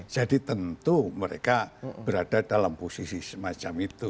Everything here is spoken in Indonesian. jadi tentu mereka berada dalam posisi semacam itu